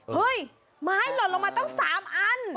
เฮ้ยไม้หล่นลงมาตั้ง๓อัน